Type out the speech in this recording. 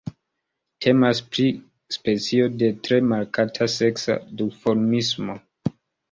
Temas pri specio de tre markata seksa duformismo.